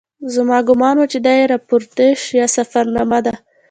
زما ګومان و چې دا یې راپورتاژ یا سفرنامه ده.